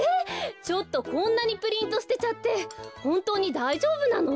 ちょっとこんなにプリントすてちゃってほんとうにだいじょうぶなの？